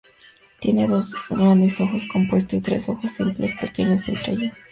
Tiene dos grandes ojos compuestos y tres ojos simples pequeños entre ellos.